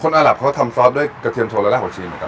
คนอาหลับเขาทำซอสด้วยกระเทียมโทนและรากผักชีเหมือนกันหรอ